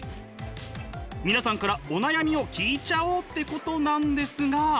皆さんからお悩みを聞いちゃおうってことなんですが。